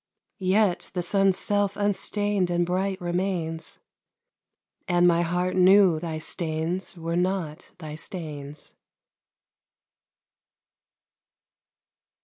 Yet the sun's self unstain'd and bright remains, And my heart knew thy stains were not thy stains.